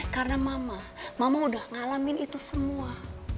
karena mama mama udah ngalamin itu semua